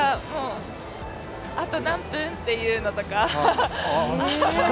あと何分？っていうのとか。